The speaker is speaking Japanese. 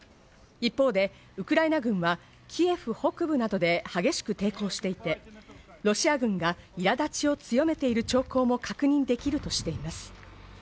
一方でウクライナ軍はキエフ北部などで激しく抵抗していて、ロシア軍が苛立ちを強めている兆候も確認できるとしています。